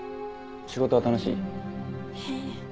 仕事は楽しい？へえ。